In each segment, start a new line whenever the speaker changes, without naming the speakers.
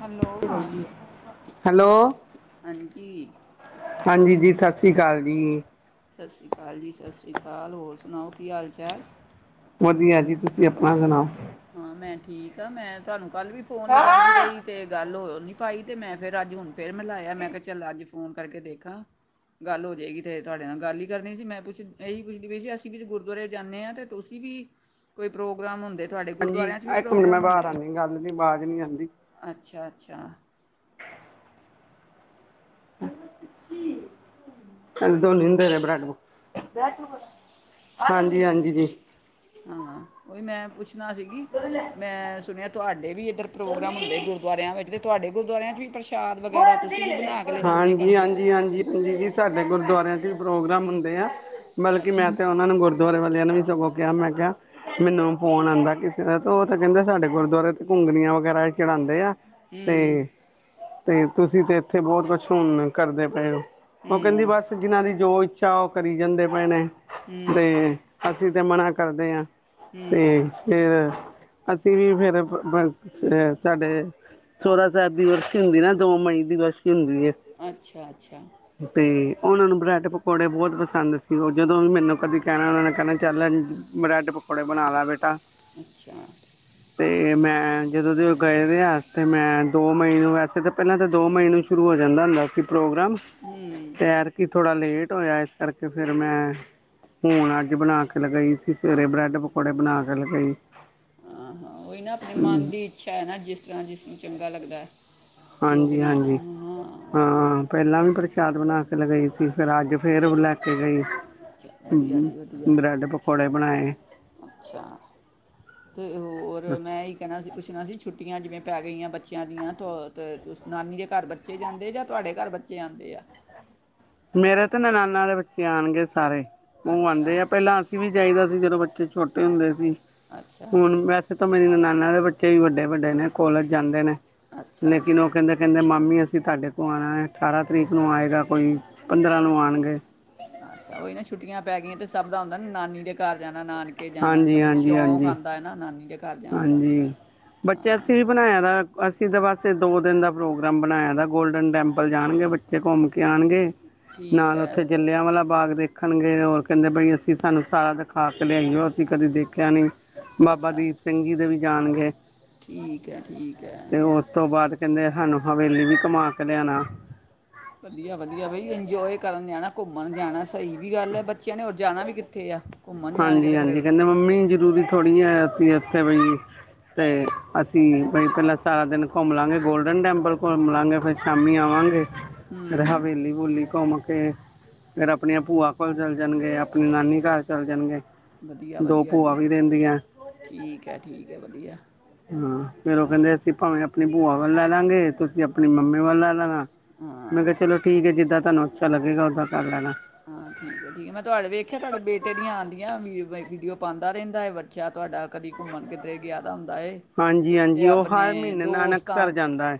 Hello
hello.
ਹਾਂਜੀ
ਹਾਂਜੀ ਜੀ ਸਤਿ ਸ੍ਰੀ ਅਕਾਲ ਜੀ।
ਸਤਿ ਸ਼੍ਰੀ ਅਕਾਲ ਜੀ ਸਤਿ ਸ਼੍ਰੀ ਅਕਾਲ ਹੋਰ ਸੁਣਾਓ ਕੀ ਹਾਲ ਚਾਲ।
ਵਧੀਆ ਜੀ ਤੁਸੀਂ ਆਪਣਾ ਸੁਣਾਓ।
ਹਾਂ ਮੈਂ ਠੀਕ ਆ ਮੈਂ ਤੁਹਾਨੂੰ ਕੱਲ ਵੀ ਫੋਨ ਲਗਾਉਂਦੀ ਰਹੀ ਤੇ ਗੱਲ ੱਲ ਨੀ ਪਾਈ ਤੇ ਮੈਂ ਫਿਰ ਅੱਜ ਹੁਣ ਫਿਰ ਮਿਲਾਇਆ ਮੈਂ ਕਿਹਾ ਚੱਲ ਅੱਜ ਫੋਨ ਕਰਕੇ ਦੇਖਾ ਗੱਲ ਹੋ ਜਾਏਗੀ ਤੇ ਤੁਹਾਡੇ ਨਾਲ ਗੱਲ ਹੀ ਕਰਨੀ ਸੀ ਮੈਂ ਪੁੱਛ ਇਹੀ ਪੁੱਛਦੀ ਵੀਈ ਸੀ ਅਸੀਂ ਵੀ ਗੁਰਦੁਆਰੇ ਜਾਂਦੇ ਹਾਂ ਤੇ ਤੁਸੀਂ ਵੀ ਕੋਈ ਪ੍ਰੋਗਰਾਮ ਹੁੰਦੇ ਤੁਹਾਡੇ-
ਹਾਂਜੀ
ਗੁਰਦੁਆਰਿਆਂ 'ਚ ਵੀ
ਇੱਕ ਮਿੰਟ ਮੈਂ
ਪ੍ਰੋਗਰਾਮ
ਬਾਹਰ
ਹੁੰਦੇ ਆ
ਆਉਂਦੀ ਗੱਲ ਦੀ ਆਵਾਜ਼ ਨਹੀਂੀ ਆਉਂਦੀ
ਅੱਛਾ ਅੱਛਾ
ਦੋਨ ਹੁੰਦੇ ਰਹੇ ਬ੍ਰੈਡ ਹਾਂਜੀ ਹਾਂਜੀ ਜੀ
ਹਾਂ ਉਹੀ ਮੈਂ ਪੁੱਛ ਪੁਣਾ ਸੀਗੀ ਮੈਂ ਸੁਣਿਆ ਤੁਹਾਡੇ ਵੀ ਇੱਧਰ ਪ੍ਰੋਗਰਾਮ ਹੁੰਦੇ ਗੁਰਦੁਆਰਿਆਂ ਵਿੱਚ ਤੇ ਤੁਹਾਡੇ ਗੁਰਦੁਆਰਿਆਂ ਚ ਵੀ ਪ੍ਰਸ਼ਾਦ ਵਗੈਰਾ ਤੁਸੀਂ ਵੀ ਬਣਾ ਕੇ
ਹਾਂਜੀ
ਲਿਜਾਦੇ
ਹਾਂਜੀ
ਕਰਦੇ
ਹਾਂਜੀ ਹਾਂਜੀ ਜੀ ਸਾਡੇ ਗੁਰਦੁਆਰਿਆਂ ਚ ਵੀ ਪ੍ਰੋਗਰਾਮ ਹੁੰਦੇ ਆ ਬਲਕਿ
ਅੱਛਾ
ਮੈਂ ਤੇ ਉਹਨਾਂ ਨੂੰ ਗੁਰਦੁਆਰੇ ਵਾਲਿਆਂ ਨੂੰ ਵੀ ਸਗੋਂ ਕਿਹਾ ਮੈਂ ਕਿਹਾ ਮੈਨੂੰ ਫੋਨ ਆਉਂਦਾ ਕਿਸੇ ਦਾ ਤੇ ਉਹ ਤਾਂ ਕਹਿੰਦੇ ਸਾਡੇ ਗੁਰਦੁਆਰੇ ਤੇ ਘੁੰਗਣੀਆਂ ਵਗੈਰਾ ਚੜਾਉਂਦੇ ਆ
ਹਮ
ਤੇ ਤੇ ਤੁਸੀਂ ਤੇ ਇੱਥੇ ਬਹੁਤ ਕੁਛ ਹੁਣ ਕਰਦੇ ਪਏ ਹੋ ਉਹ ਕਹਿੰਦੀ ਬਸ ਜਿਹਨਾ ਦੀ ਜੋ ਇੱਾ ਚਾ ਕਰੀ ਜਾਂਦੇ ਭੈਣੇ ਤੇ
ਹੂੰ
ਅਸੀਂ ਤੇ ਮਨਾ ਕਰਦੇ ਹਾਂ ਤੇ ਤੇ ਅਸੀਂ ਵੀ ਫੇਿਰ ਸਾਡੇ ਸੋਰਾ ਦੋ ਮਈ ਦੀ ਬਸ ਹੁੰਦੀ ਹੈ
ਅੱਛਾ ਅੱਛਾ
ਤੇ ਉਹਨਾਂ ਨੂੰ ਬਰੈਡ ਪਕੌੜੇ ਬਹੁਤ ਪਸੰਦ ਸੀ ਉਹ ਜਦੋਂ ਵੀ ਮੈਨੂੰ ਕਦੀ ਕਹਿਣਾ ਉਹਨਾਂ ਨੇ ਚੱਲ ਬਰੈਡ ਆਪੜ ਬਣਾ ਆਲਾਦਾ ਬਟਾ
ਅੱਛਾ
ਮੈਂ ਜਦੋਂ ਦੇ ਉਹ ਗਏ ਰ ਆਸ ਤੇ ਮੈਂ ਦੋ ਮਹੀਨ ਨੂੰ ਵੈਸੇ ਤਾਂ ਪਹਿਲਾਂ ਤਾਂ ਦੋ ਮਹੀਨ ਨੂੰ ਸ਼ੁਰੂ ਹੋ ਜਾਂਦਾ ਹੁੰਦਾ ਸੀ ਪ੍ਰੋਗਰਾਮ ਤਿਆਰ ਕੀਤਾ ਥੋੜ੍ਹਾ ਲੇਟ ਹੋਇਆ ਇਸ ਕਰਕੇ ਫਿਰ ਮੈਂ ਹੁਣ ਅੱਜ ਬਣਾ ਕੇ ਲਗਾਈ ਸੀ ਸਵੇਰੇ ਬਰੈੱਡ ਪਕੌੜੇ ਬਣਾ ਕੇ ਲਗਾਈ
ਆਹਾਂ ਉਹੀ ਨਾ ਆਪਣੇ ਮਨ
ਹਮ,
ਦੀ ਇੱਛਾ ਹੈ ਨਾ ਜਿਸ ਤਰ੍ਹਾਂ ਜਿਸਨੂੰ ਚੰਗਾ ਲੱਗਦਾ ਜੋ
ਹਾਂਜੀ
ਬਣਾਉਣਾ
ਹਾਂਜੀ
ਹਾਂ
ਹਾਂ ਪਹਿਲਾਂ ਵੀ ਪ੍ਰਸ਼ਾਦ ਬਣਾ ਕੇ ਚਲੇ ਗਈ ਸੀ ਫਿਰ ਅੱਜ ਫੇਰ ਲੈ ਕੇ ਗਈ
ਛਾ ਵਧੀਆ
ਹਮ,
ਜੀ ਵਧੀਆ
ਬ੍ਰੈਡ ਪਕੌੜੇ ਬਣਾਏ
ਅੱਛਾ ਤੇ ਹੋਰ ਮੈਂ ਹੀ ਕਹਿਣਾ ਸੀ ਪੁੱਛਣਾ ਸੀ ਛੁੱਟੀਆਂ ਜਿਵੇਂ ਪੈ ਗਈਆਂ ਬੱਚਿਆਂ ਦੀਆਂ ਨਾਨੀ ਦੇ ਘਰ ਬੱਚੇ ਜਾਂਦੇ ਜਾਂ ਤੁਹਾਡੇ ਘਰ ਬੱਚੇ ਆਉਦੇ ਆ
ਮੇਰੇ ਤੇ ਨ ਨਾਨਾ ਦੇ ਬੱਚੇ ਆਉਣਗੇ ਸਾਰੇ ਉਹ
ਅੱਛਾ
ਆਉਂਦੇ ਆ ਪਹਿਲਾਂ ਅਸੀਂ ਵੀ ਚਾਹੀਦਾ ਜਦੋਂ ਬੱਚੇ ਛੋਟੇ ਹੁੰਦੇ ਸੀ!
ਅੱਛਾ
ਹੁਣ ਵੈਸੇ ਤਾਂ ਮੇਰੀ ਨਨਾਨਾ ਏ ਵ ਜੇਈ ਵੱਡੇ ਵੱਡੇ ਨੇ ਕੋਲੇਜ ਜਾਂਦੇ ਨੇ!
ਅੱਛਾ
ਲੇਕਿਨ ਉਹ
ਅੱਛਾ
ਕਹਿੰਦੇ ਕਹਿੰਦੇ ਮਾਮੀ ਜੇ ਸਾਡੇ ਕੋਲ ਆਉਣਾ ਹੈ, ਅਠਾਰਾਂ ਤਰੀਕ ਨੂੰ ਆਏਗਾ ਕੋਈ! ਪੰਦਰਾਂ ਨੂੰ ਆਉਣਗੇ।
ਅੱਛਾ ਉਹੀ ਨਾ ਛੁੱਟੀਆਂ ਪੈ ਗਈਆਂ ਤਾ ਸਭ ਦਾ ਹੁੰਦਾ ਨਾ, ਨਾਨੀ ਦੇ ਘਰ ਜਾਂਣਾ! ਨਣਾਨਕੇ ਜਾਣਾ, ਸਭ ਨੂੰ
ਹਾਂਜੀ-ਹਾਂਜੀ, ਹਾਂਜੀ,
ਸ਼ੌਂਕ
ਹਾਂਜੀ।
ਆਉਂਦਾ ਹੈ ਨਾ ਨਾਨਕੇ
ਹਾਂਜੀ, ਬੱਚਿਆਂਸੀ ਵੀ ਬਣਾਇਆ ਅਸੀਂ ਤਾਂ ਬਸੇ ਦੋ ਦਿਨ ਦਾ ਪ੍ਰੋਗਰਾਮ ਬਣਾਇਆ ਦਾ ਗੋਲਡਨ ਟੈਂਪਲ ਜਾਣਗੇ, ਬੱਚੇ ਘੁੰਮ ਕੇ ਆਉਣਗੇ
ਠੀਕ
ਨਾਲ
ਹੈ
ਉੱਥੇ ਜਲਿਆਂ ਵਾਲਾ ਬਾਗ, ਦੇਖਣਗੇ, ਹੋਰ ਕਹਿੰਦੇ ਬਈ ਅਸੀਂ ਸਾਨੂੰ ਸਾਰਾ ਦਿਖਾ ਕੇ ਲਿਆਈਓ, ਅਸੀਂ ਕਦੇ ਦੇਖਿਆ ਨਹੀਂ!
ਅੱਛਾ [inaudible]
ਜਿਦੋ ਵੀ ਜਾਣਗੇ!
ਠੀਕ ਹੈ, ਠੀਕ ਹੈ।
ਤੇ ਉਸ ਤੋਂ ਬਾਅਦ ਕਹਿੰਦੇ ਸਾਨੂੰ ਹਵੇਲੀ ਵੀ ਕਮਾਉਣ।
ਵਧੀਆ ਵਧੀਆ, ਬਈ ਇੰਜੋਯ ਕਰਨ ਜਾਣਾ! ਘੁੰਮਣ ਜਾਣਾ! ਸਹੀ ਵੀ ਗੱਲ ਹੈ, ਬੱਚਿਆਂ ਨੇ ਹੋਰ ਜਾਣਾ ਵੀ ਕਿੱਥੇ ਆ? ਘੁੰਮਣ
ਹਾਂਜੀ
ਜਾਣਗੇਤੇ ਫਿਰ
ਹਾਂਜੀ ਉੱਥੇ ਬਈ, ਤੇ ਅਸੀਂ ਬਈ ਪਹਿਲਾਂ ਸਾਰਾ ਦਿਨ ਘੁੰਮ ਲਵਾਂਗੇ, ਗੋਲਡਨ ਟੈਂਪਲ ਘੁੰਮ ਲਵਾਂਗੇ, ਫਿਰ ਸ਼ਾਮੀ ਆਵਾਂਗੇ! ਹਵੇਲੀ ਹਵਾਉਲੀ ਘੁੰਮ ਕੇ। ਫੇਰ ਆਪਣੀਆਂ ਭੂਆ ਚੱਲ ਜਾਣਗੇ, ਆਪਣੀ ਨਾਨੀ ਘਰ ਚੱਲ ਜਾਣਗੇ,
ਵਧੀਆ
ਦੋ
ਵਧੀਆ
ਭੂਆ
ਜੀ
ਵੀ ਦਿੰਦੀਆਂ।
ਠੀਕ ਹੈ ਠੀਕ ਹੈ ਵਧੀਆ
ਹਾਂ ਫੇਰ ਉਹ ਕਹਿੰਦੇ, ਅਸੀਂ ਭਾਵੇਂ ਆਪਣੀ ਭੂਆ ਵੱਲ ਲੈ ਲਾਂਗੇ। ਅਸੀਂ ਆਪਣੀ ਮੰਮੀ ਵੱਲ ਲੈ ਲਹਣਾ। ਮੈਂ
ਹਾਂ
ਕਿਹਾ ਚਲੋ ਠੀਕ ਹੈ, ਜਿੱਦਾਂ ਤੁਹਾਨੂੰ। ਅੱਛਾ ਲੱਗੇਗਾ, ਓਦਾਂ ਕਰ ਲੈਣਾ।
ਹਾਂ ਠੀਕ ਹੈ, ਠੀਕ ਹੈ ਮੈਂ, ਤੁਹਾਡੇ ਵੇਖਿਆ ਤੁਹਾਡੇ ਬੇਟੇ ਦੀਆਂ ਆਉਂਦੀਆਂ ਵੀਡੀਓ ਪਾਉਂਦਾ ਰਹਿੰਦਾ, ਬੱਚਾ, ਤੋਹਾਡਾ ਕਦੇ ਘੁੰਮਣ ਕਿੱਧਰੇ ਗਿਆ ਦਾ।
ਹਾਂਜੀ
ਤੇ
ਹਾਂਜੀ ਉਹ ਹਰ
ਆਪਣੇ
ਮਹੀਨੇ
ਦੋਸਤਾਂ,
ਨਾਨਕਸਰ ਜਾਂਦਾ ਹੈ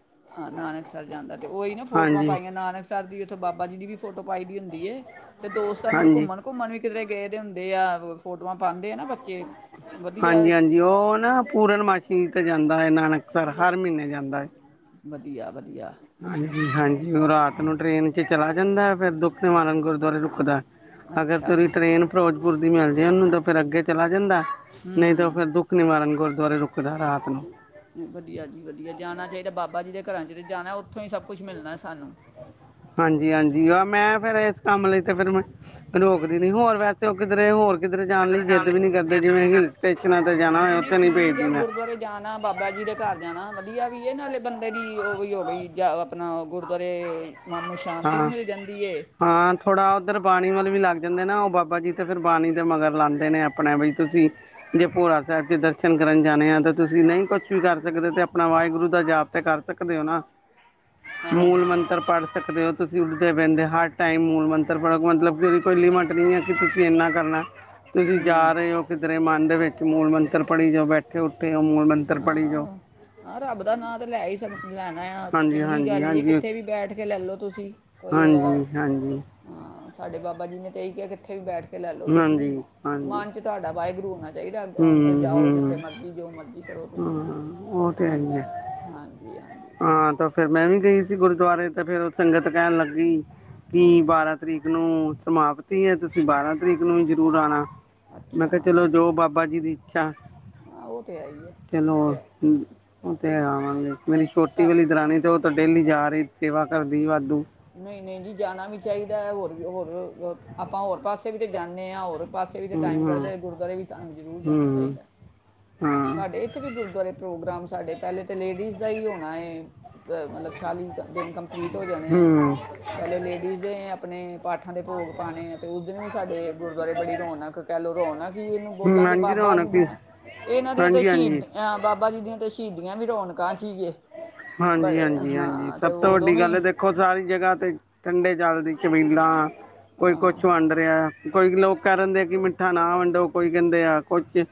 ਨਾਨਕਸਰ ਜਾਂਦਾ, ਤੇ ਉਹੀ ਨਾ ਫੋਟੋਆਂ
ਹਾਂਜੀ
ਪਾਈਆਂ ਨਾਨਕਸਰ ਦੀ। ਉੱਥੇ ਬਾਬਾ ਜੀ ਦੀ ਵੀ ਫੋਟੋ ਪਾਈ ਦੀ ਹੁੰਦੀ ਏ। ਤੇ ਦੋਸਤਾਂ ਨਾਲ
ਹਾਂਜੀ
ਘੁੰਮਣ ਘੁੰਮਣ ਵੀ ਕਿੱਧਰੇ ਗਏ ਦੇ ਹੁਦੇ ਆ। ਪਾਉਂਦੇ ਆ ਨਾ ਬੱਚੇ ਵਧੀਆ
ਹਾਂਜੀ, ਹਾਂਜੀ, ਉਹ ਨਾ ਪੂਰਨਮਾਸੀੀ ਤੇ ਜਾ ਜਾਂਦਾ ਹੈ ਨਾਨਕਸਰ, ਹਰ ਮਹੀਨੇ ਜਾਂਦਾ ਹੈ।
ਵਧੀਆ- ਵਧੀਆ।
ਹਾਂਜੀ- ਹਾਂਜੀ, ਉਹ ਰਾਤ ਨੂੰ ਟ੍ਰੇਨ ਚ ਚਲਾ ਜਾਂਦਾ ਫੇਰ ਦੁੱਖ ਨਿਵਾਰਨ ਗੁਰਦੁਆਰੇ ਰੁਕਦਾ। ਅਗਰ
ਅੱਛਾ
ਧੁਰੀ ਟ੍ਰੇਨ ਫਿਰੋਜ਼ਪੁਰ ਦੀ ਮਿਲ ਜੇ ਉਹਨੂੰ ਤਾਂ ਫੇਰ ਅੱਗੇ ਚਲਾ ਜਾਂਦਾ ਨਹੀਂ ਤਾਂ ਫੇਰ ਦੁੱਖ ਨਿਵਾਰਨ ਗੁਰ ਗੁਰਦੁਆਰੇ ਰੁਕਦਾ ਰਾਤ ਨੂੰ
ਵਧੀਆ ਜੀ ਵਧੀਆ ਜਾਣਾ ਚਾਹੀਦਾ ਬਾਬਾ ਜੀ ਦੇ ਘਰਾਂ ਚ ਤੇ ਜਾਣਾ ਉੱਥੋਂ ਹੀ ਸਭ ਕੁਛ ਮਿਲਣਾ ਸਾਨੂੰ
ਹਾਂਜੀ- ਹਾਂਜੀ ਆ ਮੈਂ ਫੇਰ ਇਸ ਕੰਮ ਲਈ ਤੇ ਫੇਰ ਮੈਂ ਰੋਕਦੀ ਨੀ ਹੋਰ ਵੈਸੇ ਉਹ ਕਿਧਰੇ ਹੋਰ ਲਈ
ਕਿਧਰੇ
ਜਿੱਦ
ਜਾਣ ਦੀ
ਵੀ ਨਹੀਂ ਕਰਦੇ
ਜਿਦ ਵੀ
ਜਿਵੇਂ
ਨਈ
ਹਿਲ
ਕਰਦੇ,
ਸਟੇਸ਼ਨਾਂ 'ਤੇ ਜਾਣਾ ਹੋਏ
ਨਹੀਂ ਨਹੀਂ
ਉੱਥੇ
ਠੀਕ
ਭੇਜਦੀ
ਹੈ
ਮੈਂ
ਗੁਰਦੁਆਰੇ ਜਾਣਾ ਬਾਬਾ ਜੀ ਦੇ ਘਰ ਜਾਣਾ ਵਧੀਆ ਵੀ ਇਹ ਨਾਲੇ ਬੰਦੇ ਦੀ ਉਹ ਵੀ ਹੋ ਗਈ ਜਾਂ ਆਪਣਾ ਗੁਰਦੁਆਰੇ ਮਨ ਨੂੰ ਸ਼ਾਂਤੀ ਵੀ
ਹਾਂ,
ਮਿਲ ਜਾਂਦੀ ਏ
ਹਾਂ ਥੋੜਾ ਉੱਧਰ ਬਾਣੀ ਵਲ ਵੀ ਲੱਗ ਜਾਂਦੇ ਨਾ ਉਹ ਬਾਬਾ ਜੀ ਤੇ ਫਿਰ ਬਾਣੀ ਦੇ ਮਗਰ ਲਾਂਦੇ ਨੇ ਆਪਣੇ ਬ ਤੁਸੀਂ ਜੇ ਭੋਰਾ ਸਾਹਿਬ ਚ ਦਰਸ਼ਨ ਕਰਨ ਜਾਣੇ ਆ ਤੇ ਤੁਸੀਂ ਨਹੀਂ ਕੁਛ ਵੀ ਕਰ ਸਕਦੇ ਤੇ ਆਪਣਾ ਵਾਹਿਗੁਰੂ ਦਾ ਜਾਪ ਤੇ ਕਰ ਸਕਦੇ ਹੋ ਨਾ।
ਹਾਂ
ਮੂਲ
ਹਾਂ
ਮੰਤਰ ਪੜ੍ਹ ਤੁਸੀਂ ਉੱਡਦੇ ਬਹਿੰਦੇ ਹਰ ਟਾਈਮ ਮੂਲ ਮੰਤਰ ਪੜੋ ਮਤਲਬ ਕਿ ਉਹਦੀ ਕੋਈ ਲਿਮਿਟ ਨਈ ਐ ਕਿ ਤੁਸੀਂ ਇੰਨਾ ਕਰਨਾ। ਤੁਸੀਂ ਜਾ ਰਹੇ ਹੋ ਕਿਤੇ ਮਨ ਦੇ ਵਿੱਚ ਮੂਲ ਮੰਤਰ ਪੜ੍ਹੀ ਜਾਓ ਬੈਠੇ। ਹੋ ਮੂਲ ਮੰਤਰ ਪੜ੍ਹੀ ਜਾਓ
ਹਾਂ- ਹਾਂ ਰੱਬ ਦਾ ਨਾਂ ਤੇ ਲੈ ਹੀ ਸਕ ਲੈਣਾ ਆ
ਹਾਂਜੀ
ਚੰਗੀ
ਹਾਂਜੀ
ਗੱਲ ਹੀ ਹੈ
ਹਾਂਜੀ
ਕਿੱਥੇ ਵੀ ਬੈਠ ਕੇ ਲੈ ਲਓ ਤੁਸੀਂ ਕੋਈ ਉਹਦਾ
ਹਾਂਜੀ ਹਾਂਜੀ
ਸਾਡੇ ਬਾਬਾ ਜੀ ਨੇ ਤਾਂ ਇਹ ਕਿਹਾ ਕਿੱਥੇ ਵੀ ਬੈਠ ਕੇ ਕੇ ਲੈ ਲਓ ਤੁਸੀਂ
ਹਾਂਜੀ ਹਾਂਜੀ
ਮਨ ਚ ਤੁਹਾਡਾ ਵਾਹਿਗੁਰੂ ਹੋਣਾ ਚਾਹੀਦਾ ਆਉਣ ਤੇ
ਹੂੰ
ਜਾਓ ਜਿੱਥੇ ਮਰਜ਼ੀ ਜੋ ਮਰਜੀ
ਹੂੰ, ਉਹ ਤੇ ਹੈ ਹੀ ਹੈ
ਹਾਂਜੀ ਹਾਂਜੀ
ਹਾਂ ਤਾਂ ਫੇਰ ਮੈਂ ਵੀ ਗਈ ਗੁਰਦੁਆਰੇ ਤੇ ਫਿਰ ਉਹ ਸੰਗਤ ਕਹਿਣ ਲੱਗੀ ਕਿ ਬਾਰਾਂ ਤਰੀਕ ਨੂੰ ਸਮਾਪਤੀ ਹੈ ਤੁਸੀਂ ਬਾਰਾਂ ਤਰੀਕ ਨੂੰ ਵੀ ਜ਼ਰੂਰ ਆਣਾ। ਮੈਂ ਕਿਹਾ
ਅੱਛਾ
ਚਲੋ ਜੋ ਬਾਬਾ ਜੀ ਦੀ ਇੱਛਾ
ਹਾਂ ਉਹ ਤੇ ਹੈ ਹੀ ਹੈ
ਚਲੋ
ਉਹ ਤੇ ਹੈ
ਉਹ ਤੇ ਹਾਂਜੀ, ਮੇਰੀ ਛੋਟੀ
ਸਾ
ਵਾਲੀ ਦਰਾਣੀ ਤੇ ਉਹ ਤਾ ਡੇਲੀ ਜਾ ਰਹੀ ਲਈ ਸੇਵਾ ਕਰ ਦੀ ਵਾਧੂ
ਨਹੀਂ- ਨਹੀਂ ਜੀ ਜਾਣਾ ਵੀ ਚਾਹੀਦਾ ਹੈ, ਹੋਰ ਵੀ ਹੋਰ ਆਪਾਂ ਹੋਰ ਪਾਸੇ ਵੀ ਤਾਂ ਜਾਂਨੇ ਆਂ ਹੋਰ ਪਾਸੇ ਵੀ ਤਾਂ
ਹੂੰ
ਟਾਈਮ ਕੱਢਦੇ ਆ ਗੁਰਦੁਆਰੇ ਵੀ ਤੁਹਾਨੂੰ ਜ਼ਰੂਰ ਜਾਣਾ
ਹੂੰ
ਚਾਹੀਦਾ ਐ
ਹਾਂ
ਸਾਡੇ ਇੱਥੇ ਵੀ ਗੁਰਦੁਆਰੇ ਪ੍ਰੋਗਰਾਮ ਸਾਡੇ ਪਹਿਲੇ ਤਾਂ ਲੇਡੀਜ਼ ਦਾ ਹੀ ਹੋਣਾ ਹੈ, ਮਤਲਬ ਚਾਲੀ ਦਿਨ ਕੰਪਲੀਟ ਹੋ ਜਾਣੇ ਆ।
ਹੂੰ
ਪਹਿਲੇ ਲੇਡੀਜ਼ ਦੇ ਆਪਣੇ ਪਾਠਾਂ ਦੇ ਭੋਗ ਪਾਉਣੇ ਆ, ਤੇ ਉਸ ਦਿਨ ਵੀ ਸਾਡੇ ਗੁਰੂਦੁਆਰੇ ਬੜੀ ਰੌਣਕ ਕਹਿ ਲਉ, ਰੌਣਕ ਹੀ ਇਹਨੂੰ
ਹੂੰ,
ਬੋਲਾਂਗੇ
ਹਾਂਜੀ
ਬਾਬਾ ਜੀ
ਰੌਣਕ ਹੀ
ਦੀਆਂ ਇਹਨਾਂ ਦੀਆਂ ਤੇ
ਹਾਂਜੀ ਹਾਂਜੀ
ਸ਼ਹੀਦ ਬਾਬਾ ਜੀ ਦੀਆਂ ਤੇ ਸ਼ਹੀਦਾਂ ਇਹ ਵੀ ਰੌਣਕਾਂ
ਹਾਂਜੀ,
ਬੜੇ
ਹਾਂਜੀ ਹਾਂਜੀ,
ਹਾਂ ਤੇ
ਸਭ ਤੋਂ
ਉਦੋਂ
ਵੱਡੀ
ਵੀ
ਗੱਲ ਹੈ, ਦੇਖੋ ਸਾਰੀ ਜਗ੍ਹਾ ਠੰਡੇ ਜਲ ਦੀਆਂ ਛਬੀਲਾਂ ਕੋਈ ਕੁਛ ਵੰਡ ਰਿਹਾ। ਕੋਈ ਲੋਕ ਕਹਿ ਦਿੰਦੇ ਆ ਕਿ ਮਿੱਠਾ ਨਾ ਵੰਡੋ, ਕੋਈ ਕਹਿੰਦੇ ਆ ਕੋਈ ਅਤੇ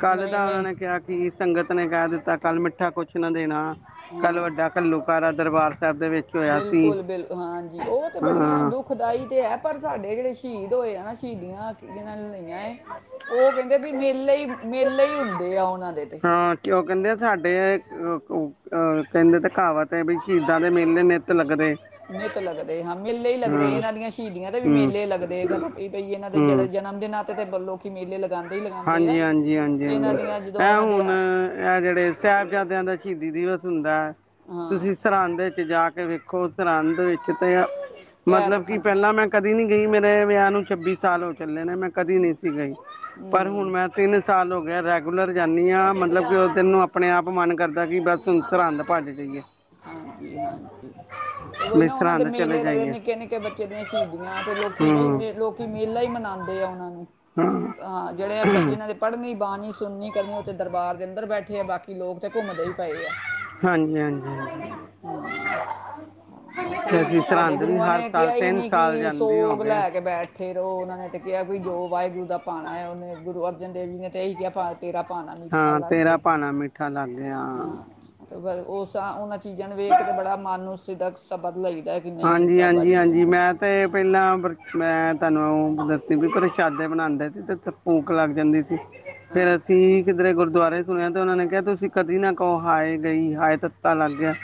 ਕੱਲ੍ਹ
ਨਹੀਂ
ਦਾ ਉਹਨਾਂ
ਨਹੀਂ
ਨੇ ਕਿਹਾ ਕਿ ਸੰਗਤ ਨੇ ਕਹਿ ਦਿੱਤਾ, ਕੱਲ ਮਿੱਠਾ ਕੁਛ ਨਾ ਦੇਣਾ। ਕੱਲ੍ਹ
ਹਾਂ,
ਵੱਡਾ ਘੱਲੂਘਾਰਾ ਦਰਬਾਰ ਸਾਹਿਬ ਦੇ ਵਿੱਚ ਹੋਇਆ ਸੀ
ਬਿਲਕੁਲ ਬਿਲ ਹਾਂਜੀ, ਉਹ ਤੇ ਬੜੀਆਂ
ਹਾਂ
ਦੁਖਦਾਈ ਤੇ ਹੈ ਪਰ ਸਾਡੇ ਜਿਹੜੇ ਸ਼ਹੀਦ ਹੋਏ ਆ ਨਾ, ਸ਼ਹੀਦੀਆਂ ਜਿੰਨਾ ਉਹ ਕਹਿੰਦੇ ਵੀ ਮੇਲੇ ਹੀ ਮੇਲੇ ਹੀ ਹੁੰਦੇ ਆ, ਉਹਨਾਂ ਦੇ ਤੇ
ਅਹ ਕਹਿੰਦੇ ਤੇ ਕਹਾਵਤ ਹੈ ਸ਼ਹੀਦਾਂ ਦੇ ਮੇਲੇ ਨਿੱਤ ਲੱਗਦੇ।
ਨਿੱਤ ਲੱਗਦੇ ਹਾਂ, ਮੇਲੇ ਹੀ
ਹਾਂ
ਲੱਗਦੇ ਇਹਨਾਂ ਦੀਆਂ ਸ਼ਹੀਦੀਆਂ ਦੇ ਵੀ
ਹੂੰ
ਮੇਲੇ ਲੱਗਦੇ, ਕਹਿ ਪਈ ਇਹਨਾਂ ਦੇ ਜੜ
ਹੂੰ
ਜਨਮ ਦਿਨਾਂ ਤੇ ਵੱਲੋਂ ਕਿ ਮੇਲੇ ਲਗਾਉਂਦੇ ਹੀ ਲਗਾਉਂਦੇ
ਹਾਂਜੀ,
ਆ
ਹਾਂਜੀ, ਹਾਂਜੀ,
ਤੇ ਇਹਨਾਂ
ਹਾਂਜੀ
ਦੀਆਂ ਜਦੋਂ
ਇਹ
ਇਹਨਾਂ ਦੇ
ਹੁਣ
ਆ,
ਇਹ ਜਿਹੜੇ ਸਾਹਿਬਜ਼ਾਦਿਆਂ ਦਾ ਸ਼ਹੀਦੀ ਦਿਵਸ ਹੁੰਦਾ।
ਹਾਂ
ਤੁਸੀਂ ਸਰਹੰਦ ਚ ਜਾ ਕੇ ਵੇਖੋ ਸਰਹੰਦ ਵਿੱਚ ਤੇ
ਪੈਰ
ਮਤਲਬ ਕਿ
ਰੱਖਣ ਦੀ
ਪਹਿਲਾਂ ਮੈਂ ਕਦੀ ਨੀ ਗਈ ਮੇਰੇ ਵਿਆਹ ਨੂੰ ਛੱਬੀ ਸਾਲ ਹੋ ਚੁੱਕੇ। ਮੇਲੇ ਮੈਂ ਕਦੀ ਨਹੀਂ ਸੀ ਗਈ। ਪਰ ਹੁਣ ਮੈਂ ਤੇ ਇਹ ਸਾਲ ਹੋ ਗਿਆ ਰੈਗੂਲਰ ਜਾਂਦੀ ਹਾਂ, ਮਤਲਬ ਕਿ ਉਸ ਦਿਨ ਨੂੰ ਆਪਣੇ ਆਪ ਮਨ ਕਰਦਾ ਕਿ ਬਸ ਸਰਹੰਦ ਭੱਜ ਜਾਈਏ।
ਹਾਂਜੀ, ਹਾਂਜੀ ਤੇ ਉਹੀ
ਵੀ
ਨਾ ਉਹਨਾਂ ਦੇ
ਸਰਹੰਦ ਚਲੇ
ਮੇਲੇ ਲੱਗਦੇ,
ਜਾਈਏ
ਨਿੱਕੇ ਨਿੱਕੇ ਬੱਚੇ ਦੀਆਂ ਸ਼ਹੀਦੀਆਂ, ਤੇ ਲੋਕੀ
ਹੂੰ
ਬਈ ਲੋਕ ਮੇਲਾ ਹੀ ਮਨਾਉਂਦੇ ਆ ਉਹਨਾਂ ਨੂੰ। ਹਾਂ, ਜਿਹੜੇ ਜਿਹਨਾਂ ਨੇ ਪੜ੍ਹਨੀ ਬਾਣੀ ਸੁਣਨੀ ਕਦੇ ਉਹ ਤੇ ਦਰਬਾਰ ਦੇ ਅੰਦਰ ਬੈਠੇ ਆ, ਬਾਕੀ ਲੋਕ ਤੇ ਘੁੰਮਦੇ ਹੀ ਪਏ ਆ।
ਹਾਂਜੀ, ਹਾਂਜੀ। ਹਾਂਜੀ।
ਹੂੰ, ਬਸ
ਤੇ
ਇਹੀ ਨਾ
ਅਸੀਂ
ਸਾਡੇ
ਸਰਹੰਦ ਵੀ
ਗੁਰੂਆਂ
ਹਰ
ਨੇ
ਸਾਲ
ਕਿਹਾ ਹੀ
ਤਿੰਨ
ਨੀ
ਸਾਲ
ਕਿ
ਜਾਂਦੀ ਹੋ
ਸੋਗ
ਗਏ ਆ
ਲੈ ਕੇ ਬੈਠੇ ਰਹੋ, ਉਹਨਾ ਨੇ ਤੇ ਕਿਹਾ ਵੀ ਜੋ ਵਾਹਿਗੁਰੂ ਦਾ ਭਾਣਾ ਹੈ, ਉਹਨੇ ਗੁਰੂ ਦੇਵੀ ਨੇ ਇਹੀ ਕਿਹਾ ਪਾ ਤੇਰਾ ਪਾਣਾ ਮਿੱਠਾ
ਹਾਂ, ਤੇਰਾ
ਲਾਗੇ
ਭਾਣਾ ਮਿੱਠਾ ਲਾਗੈ, ਹਾਂ।
ਪਰ ਉਸ ਉਹਨਾਂ ਚੀਜ਼ਾਂ ਨੂੰ ਵੇਖ ਤੇ ਬੜਾ ਮਨ ਨੂੰ ਸਿਦਕ ਸਬਕ
ਹਾਂਜੀ-ਹਾਂਜੀ-ਹਾਂਜੀ ਮੈਂ ਤੇ ਪਹਿਲਾਂ ਮੈਂ ਤੁਹਾਨੂੰ ਦੱਸੀ ਵੀ ਤੇ ਰਸ਼ਾਦੇ ਬਣਾਦੇ ਸੀ ਤੇ ਉਥੇ ਭੂਖ ਲੱਗ ਜਾਂਦੀ ਸੀ। ਫੇਰ ਅਸੀਂ ਕਿਧਰੇ ਗੁਰਦੁਆਰੇ ਸੁਣਿਆ ਤੇ ਉਹਨਾਂ ਨੇ ਕਿਹਾ ਤੁਸੀਂ ਕਦੀ ਨਾ ਕਹੋ ਹਾਏ ਗਈ ਹਾਏ ਤਾਂ, ਪਤਾ ਲੱਗ ਗਿਆ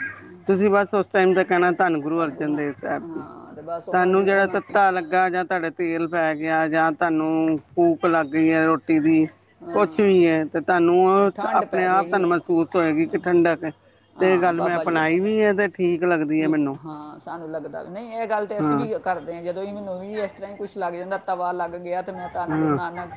ਤੁਸੀਂ ਬਸ ਉ ਟਾਈਮ ਦਾ ਕਹਿਣਾ ਧੰਨ ਗੁਰੂ ਅਰ
ਨਾ-
ਦੇ ਸਾਹਿਬ ਜੀ
ਹਾਂ ਤੇ ਬਸ ਉਹਨਾਂ
ਤੁਹਾਨੂੰ
ਦੀ
ਜਿਹੜਾ
ਉਹਨਾਂ
ਤੱਤਾ ਲੱਗਾ ਜਾਂ ਤੁਹਾਡੇ, ਤੇਲ ਪੈ ਗਿਆ ਜਾਂ, ਤੁਹਾਨੂੰ ਭੂਖ ਲੱਗ, ਗਈਆਂ ਰੋਟੀ ਦੀ, ਕੁਛ ਵੀ
ਹਾਂ
ਹੈ ਤੇ, ਤੁਹਾਨੂੰ
ਠੰਡ
ਆਪਣੇ
ਪੈ
ਆਪ
ਜਾਏਗੀ
ਤੁਹਾਨੂੰ ਮਹਿਸੂਸ ਹੋਏਗੀ ਕਿ ਠੰਡਾ ਕੇ, ਤੇ ਇਹ
ਹਾਂ
ਗੱਲ ਮੈਂ
ਬਾਬਾ ਜੀ ਦਾ
ਅਪਣਾਈ ਵੀ ਹੈ। ਅਤੇ ਠੀਕ ਲੱਗਦੀ ਹੈ
ਵੀ
ਮੈਨੂੰ
ਹਾਂ ਲੱਗਦਾ ਵੀ ਨਹੀਂ ਇਹ ਗੱਲ ਤੇ ਅਸੀਂ
ਹਾਂ
ਵੀ ਕਰਦੇ ਹਾਂ ਜਦੋਂ ਵੀ ਮੈਨੂੰ ਵੀ ਇਸ ਤਰ੍ਹਾਂ ਹੀ ਕੁਛ ਲੱਗ ਜਾਂਦਾ। ਤਵਾ ਲੱਗ ਗਿਆ ਮੈਂ ਧੰਨ ਗੁਰੂ
ਹਾਂ
ਨਾਨਕ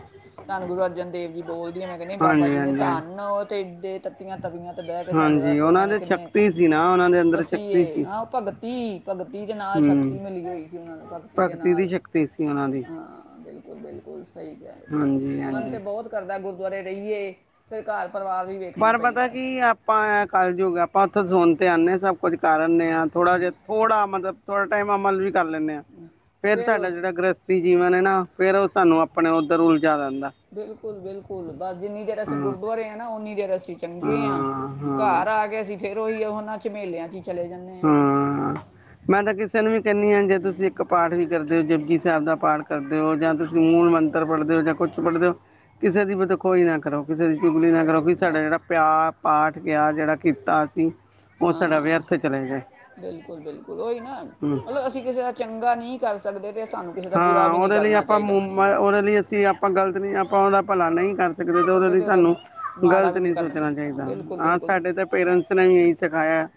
ਧੰਨ ਗੁਰੂ ਅਰਜਨ ਦੇਵ ਜੀ ਬੋਲਦੀ ਆ ਮੈਂ ਕਹਿੰਦੀ ਬਾਬਾ
ਹਾਂਜੀ
ਜੀ ਨੇ
ਹਾਂਜੀ ਹਾਂਜੀ
ਧੰਨ ਤੇ, ਦੇ ਤੱਤੀਆਂ ਤਵੀਆਂ, ਤੇ ਬਹਿ ਕੇ ਸਾਡੇ
ਹਾਂਜੀ
ਵਾਸਤੇ
ਉਹਨਾਂ
ਨੇ
ਦੇ
ਕਿੰਨੇ
ਛਕਤੀ ਸੀ ਨਾ ਉਹਨਾਂ ਦੇ ਅੰਦਰ ਸ਼ਕਤੀ
ਤਸੀਏ
ਸੀ
ਹਾਂ ਆਪਾਂ ਬੱਤੀ, [inaudible] ਭਗਤੀ ਦੇ ਨਾਲ
ਹੂੰ
ਸ਼ਕਤੀ ਮਿਲੀ ਹੋਈ ਸੀ, ਉਹਨਾਂ ਨੂੰ ਭਗਤੀ ਦੇ
ਦੀ
ਨਾਲ
ਸ਼ਕਤੀ ਸੀ ਉਹਨਾਂ ਦੀ
ਹਾਂ ਬਿਲਕੁਲ-ਬਿਲਕੁਲ ਸਹੀ ਕਿਹਾ
ਹਾਂਜੀ
ਮਨ
ਹਾਂਜੀ
ਤੇ ਬਹੁਤ ਕਰਦਾ ਗੁਰ ਗੁਆਰੇ ਰਹੀਏ ਫਿਰ ਘਰ, ਪਰਿਵਾਰ ਵੀ ਵੇਖਣਾ
ਪਰ
ਪੈਂਦਾ
ਪਤਾ
ਹੈ
ਕੀ ਆਪਾਂ ਕੱਲਯੁਗ ਐ, ਆਪਾਂ ਉੱਥੇ ਸੋਣ ਤੇ ਆ ਸਭ ਕੁਛ ਕਰ ਕਰਨੇ ਆ ਥੋੜਾ ਜਿਹਾ ਥੋੜਾ ਮਤਲਬ, ਥੋੜਾ ਟਾਈਮ ਅਮਲ ਵੀ, ਕਰ ਲੈਂਦੇ ਆ ਫ਼ੇਰ
ਫਿਰ
ਸਾਡਾ
ਉਸ
ਜਿਹੜਾ ਗ੍ਰਸਥੀ ਜੀਵਨ ਨਾ ਫ਼ੇਰ ਉਹ ਸਾਨੂੰ ਆਪਣੇ ਉੱਧਰ ਉਲਟ
ਬਿਲਕੁਲ ਬਿਲਕੁਲ ਕੁਲ ਬਸ ਜਿੰਨੀ ਦੇਰ ਅਸੀਂ
ਹਾਂ
ਗੁਰਦੁਆਰੇ ਆ ਨਾ ਓਨੀ ਦੇਰ ਅਸੀਂ ਚੰਗੇ ਹਾਂ ਘਰ ਆ ਕੇ ਅਸੀਂ ਫੇਰ ਉਹੀ ਆ ਹੁਣ ਇਨਾਂ ਚਮੇਲਿਆ ਚ ਹੀ ਚਲੇ ਜਾਂਦੇ ਆ
ਹਾਂ ਮੈਂ ਤਾਂ ਕਿਸੇ ਨੂੰ ਵੀ ਕਹਿੰਦੀ ਹ ਜੇ ਤੁਸੀਂ ਇੱਕ ਪਾਠ ਵੀ ਕਰਦੇ ਹੋ ਜੁਪ ਜੀ ਸਾਹਿਬ ਦਾ ਪਾਠ ਕਰਦੇ ਹੋ ਜਾਂ ਤੁਸੀਂ ਮੂਲ ਮੰਤਰ ਪੜ੍ਹਦੇ ਹੋ ਜਾਂ ਕੁਛ ਪੜ੍ਹਦੇ ਹੋ ਕਿਸੇ ਦੀ ਵੀ ਬਦ ਖੋਈ ਨਾ ਕਰੋ ਕਿਸੇ ਦੀ ਚੁਗਲੀ ਨਾ ਕਰੋ ਵੀ ਸਾਡਾ
ਬਸ
ਜਿਹੜਾ ਪਿਆਰ ਪਾਠ ਗਿਆ ਜਿਹੜਾ ਕੀਤਾ ਅਸੀਂ ਉਹ ਸਾਡਾ
ਹਾਂ
ਵਿਅਰਥ ਚਲੇ ਜਾਏ
ਬਿਲਕੁਲ ਬਿਲਕੁਲ ਉਹੀ ਨਾ
ਹਮ,
ਮਤਲਬ ਅਸੀਂ ਕਿਸੇ ਦਾ ਚੰਗਾ ਨਹੀਂ ਕਰ ਸਕਦੇ [unintelligible] ਦਾ ਬੁਰਾ
ਹਾਂ
ਵੀ ਨਹੀਂ
ਉਹਦੇ ਲਈ
ਕਰਨਾ
ਆਪਾਂ
ਚਾਹੀਦਾ
ਉਹਦੇ ਲਈ ਅਸੀਂ ਆਪਾਂ ਗ਼ਲਤ ਨਹੀਂ ਆਪਾਂ ਉਹਦਾ ਭਲਾ ਨਹੀਂ ਕਰ ਸਕਦੇ ਤੇ ਉਹਦੇ ਲਈ
ਉਹਦਾ
ਸਾਨੂੰ
ਮ- ਮਾੜਾ
ਗਲਤ
ਵੀ ਨਹੀਂ
ਨੀ
ਕਰਨਾ
ਸੋਚਣਾ
ਹਾਂ
ਚਾਹੀਦਾ
ਬਿਲਕੁਲ
ਹਾਂ
ਬਿਲਕੁਲ
ਸਾਡੇ ਤੇ ਪੇਰੈਂਟਸ ਨੇ ਇਹੀ ਸਿਖਾਇਆ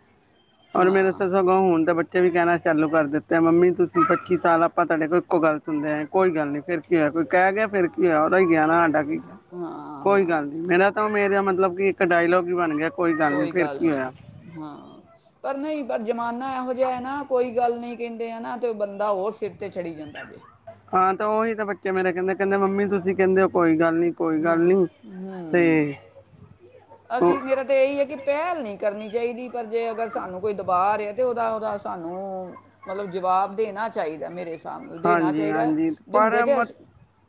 ਔਰ ਮੇਰੇ
ਹਾਂ
ਸਗੋਂ ਹੁਣ ਤਾਂ ਬੱਚੇ ਉਥੇ ਵੀ ਕਹਿਣਾ ਚਾਲੂ ਕਰ ਦਿੱਤਾ ਮੰਮੀ ਤੁਸੀਂ ਪੱਚੀ ਸਾਲ ਆਪਾਂ ਤੁਹਾਡੇ ਕੋਲ ਇੱਕੋ ਗੱਲ ਸੁਣਦੇ ਆਏ ਕੋਈ ਗੱਲ ਨੀ ਫਿਰ ਕੀ ਹੋਇਆ ਕੋਈ ਕਹਿ ਗਿਆ ਫਿਰ ਕੀ ਹੋਇਆ ਉਹਦਾ ਹੀ ਗਿਆ ਨਾ
ਹਾਂ
ਕੋਈ ਗੱਲ
ਹਾਂ
ਨੀ ਮੇਰਾ ਤਾਂ ਮੇਰਾ ਮਤਲਬ ਕਿ ਇੱਕ ਡਾਇਲੋਗ ਵੀ ਬਣ ਗਿਆ। ਨਹੀਂ
ਕੋਈ
ਫਿਰ
ਗੱਲ
ਕੀ
ਨਹੀਂ
ਹੋਇਆ
ਹਾਂ ਪਰ ਨਹੀਂ ਪਰ ਜ਼ਮਾਨਾ ਇਹੋ ਜਿਹਾ ਨਾ ਕੋਈ ਗੱਲ ਨਹੀਂ ਕਹਿੰਦੇ ਆ ਨਾ ਤੇ ਬੰਦਾ ਹੋਰ ਸਿਰ ਤੇ ਚੜੀ ਜਾਂਦਾ ਜੇ।
ਹਾਂ ਤੇ ਉਹੀ ਤਾਂ ਬੱਚੇ ਮੇਰੇ ਕਹਿੰਦੇ ਕਹਿੰਦੇ ਮੰਮੀ ਤੁਸੀਂ ਕਹਿੰਦੇ ਹੋ ਕੋਈ ਗੱਲ ਨਹੀਂ ਕੋਈ ਗੱਲ
ਹੂੰ
ਨਹੀਂ ਤੇ
ਹੂੰ
ਉਹ
ਅਸੀਂ ਮੇਰਾ ਤਾਂ ਇਹੀ ਹੈ ਕਿ ਪਹਿਲ ਨਹੀਂ ਕਰਨੀ ਚਾਹੀਦੀ ਪਰ ਜੇ ਅਗਰ ਸਾਨੂੰ ਕੋਈ ਦਬਾਅ ਹੈ ਤੇ ਉਹਦਾ ਉਹਦਾ ਸਾਨੂੰ ਮਤਲਬ ਜਵਾਬ ਦੇਣਾ ਚਾਹੀਦਾ ਮੇਰੇ ਹਿਸਾਬ ਨਾਲ ਦੇਣਾ
ਹਾਂਜੀ
ਚਾਹੀਦਾ
ਹਾਂਜੀ
ਦਿੰਦੇ
ਪਰ
ਤਾਂ
ਮਤ
ਅਸੀ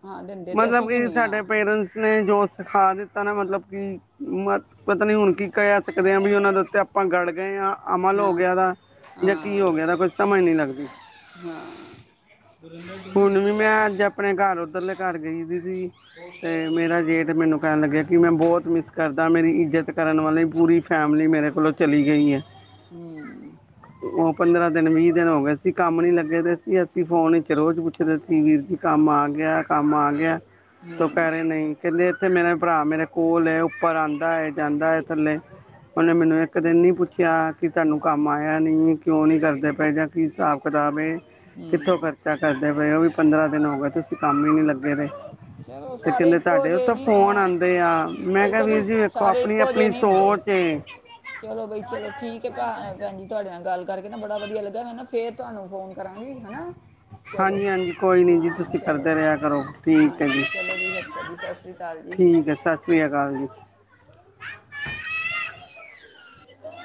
ਹਾਂ ਦਿੰਦੇ ਤੇ
ਮਤਲਬ
ਅਸੀਂ ਵੀ
ਕਿ
ਨਹੀਂ ਆ
ਸਾਡੇ ਪੇਰੈਂਟਸ ਨੇ ਜੋ ਸਿਖਾ ਦਿੱਤਾ ਨਾ ਮਤਲਬ ਕਿ ਮ ਪਤਾ ਨੀ ਹੁਣ ਕੀ ਕਹਿ ਸਕਦੇ ਹਾਂ ਵੀ ਉਹਨਾਂ ਦੇ ਉੱਤੇ ਆਪਾਂ ਗੜ ਗਏ ਹਾਂ। ਅਮਲ ਹੋ
ਹਾਂ
ਗਿਆ ਦਾ ਜਾਂ
ਹਾਂ
ਕੀ ਹੋ ਗਿਆ ਦਾ ਕੋਈ ਸਮਝ ਨੀ ਲੱਗਦੀ। ਹੁਣ ਵੀ ਮੈਂ
ਚਲੋ
ਅੱਜ ਆਪਣੇ ਘਰ ਉੱਧਰਲੇ ਘਰ ਗਈ ਸੀ ਸੀ ਤੇ ਮੇਰਾ ਜੇਠ ਮੈਨੂੰ ਕਹਿਣ ਲੱਗਿਆ ਕਿ ਮੈਂ ਬਹੁਤ ਮਿਸ ਕਰਦਾ ਮੇਰੀ ਇੱਜਤ ਕਰਨ ਵਾਲੀ ਪੂਰੀ ਫੈਮਿਲੀ ਮੇਰੇ ਕੋਲੋਂ ਚਲੀ ਗਈ ਹੈ।
ਹੂੰ
ਤਿੰਨ ਵੀਹ ਦਿਨ ਹੋ ਗਏ ਸੀ ਕੰਮ ਨੀ ਲੱਗੇ ਤੇ ਸੀ ਅਸੀਂ ਫੋਨ ਰੋਜ਼ ਪੁੱਛਦੇ ਸੀ ਵੀਰ ਜੀ ਕੰਮ ਆ ਗਿਆ ਕੰਮ ਆ ਗਿਆ। ਦੁਪੈਰੇ ਨਹੀਂ ਕਹਿੰਦੇ ਅਤੇੱਥੇ ਮੇਰਾ ਭਰਾ ਮੇਰੇ ਕੋਲ ਹੈ ਉੱਪਰ ਆਦਾ ਹੈ ਜਾਂਦਾ ਹੈ ਥੱਲੇ ਉਹਨੇ ਮੈਨੂੰ ਇੱਕ ਦਿਨ ਨਹੀਂ ਪੁੱਛਿਆ ਕਿ ਤੁਹਾਨੂੰ ਕੰਮ ਆਇਆ ਨਹੀਂ ਕਿਉਂ ਨਹੀਂ ਕਰਦੇ ਪਏ ਜਾਂ ਕੀ ਹਿਸਾਬ ਕਿਤਾਬ ਹੈ। ਕਿੱਥੋਂ
ਹੂੰ,
ਖਰਚਾ ਕਰਦੇ ਪਏ ਉਹ ਵੀ ਪੰਦਰਾਂ ਦਿਨ ਹੋ ਗਏ ਤੁਸੀਂ ਕੰਮ ਹੀ ਨੀ ਲੱਗੇ ਰਹੇ।
ਚਲੋ ਸਾਰੇ ਇੱਕੋ ਜਿਹੇ ਨੀ ਹਾਂ
ਆਉਂਦੇ ਆ ਮੈਂ
ਉਹੀ
ਕਿਹਾ ਵੀਰ
ਕਦੀ
ਜੀ ਵੇਖੋ
ਸਾਰੇ
ਆਪਣੀ
ਇੱਕੋ ਜਿਹੇ
ਆਪਣੀ
ਨਹੀਂ ਹੁੰਦੇ
ਸੋਚ ਹੈ
ਚਲੋ ਬਈ ਚਲੋ ਠੀਕ ਐ ਭਾ ਭੈਣ ਜੀ ਤੁਹਾਡੇ ਨਾਲ ਗੱਲ ਕਰਕੇ ਕਰਕੇ ਨਾ ਬੜਾ ਵਧੀਆ ਲੱਗਾ ਮੈਂ ਨਾ ਫੇਰ ਤੁਹਾਨੂੰ ਫੋਨ ਕਰਾਂਗੀ ਹਨਾ। ਚਲੋ
ਹਾਂਜੀ-ਹਾਂਜੀ, ਕੋਈ ਨੀ ਜੀ
ਹਾਂ
ਤੁਸੀਂ ਕਰਦੇ
ਚਲੋ
ਰਿਹਾ ਕਰੋ। ਠੀਕ ਹੈ ਜੀ
ਹਾਂਜੀ ਚਲੋ ਜੀ ਅੱਛਾ ਜੀ ਸਤਿ ਸ੍ਰੀ ਅਕਾਲ ਜੀ
ਠੀਕ ਹੈ ਸਤਿ ਸ੍ਰੀ ਅਕਾਲ ਜੀ,